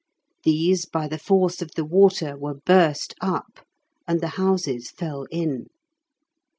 These, by the force of the water, were burst up, and the houses fell in.